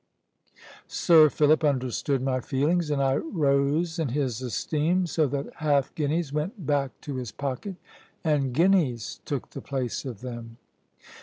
Sir Philip understood my feelings, and I rose in his esteem, so that half guineas went back to his pocket, and guineas took the place of them.